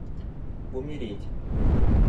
умереть